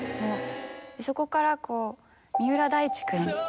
そこから三浦大知君が。